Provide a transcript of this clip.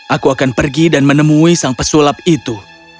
aku akan pergi dan menemui sang pesulap itu